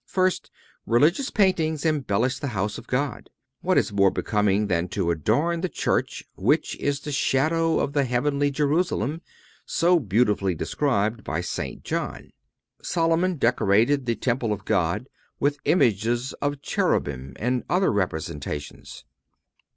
First—Religious paintings embellish the house of God. What is more becoming than to adorn the church, which is the shadow of the heavenly Jerusalem, so beautifully described by St. John?(276) Solomon decorated the temple of God with images of cherubim and other representations.